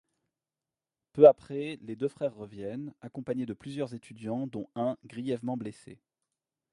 Peu après, les deux frères reviennent, accompagnés de plusieurs étudiants dont un grièvement blessé.